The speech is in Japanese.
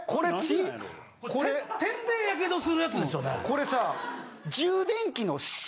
これさ。